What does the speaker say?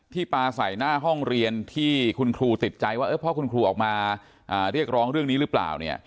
ปลาใส่หน้าห้องเรียนที่คุณครูติดใจว่าพ่อคุณครูออกมาเรียกร้องเรื่องนี้หรือเปล่า